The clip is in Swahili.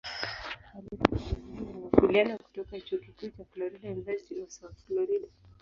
Alipata digrii ya Mawasiliano kutoka Chuo Kikuu cha Florida "University of South Florida".